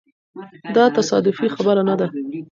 دا تصادفي خبره نه ده.